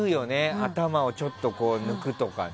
頭をちょっと抜くとかね。